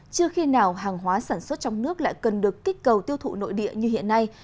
chưa khi nào hàng hóa sản xuất trong nước lại cần được kích cầu tiêu thụ nội địa như hiện nay